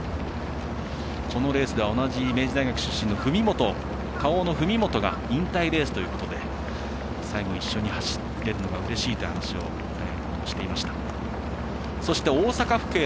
このレースでは同じ明治大学のＫａｏの選手が引退レースということで最後、一緒に走れるのがうれしいという話を大六野もしていました。